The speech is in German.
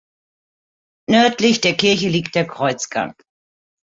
Nördlich der Kirche liegt der Kreuzgang.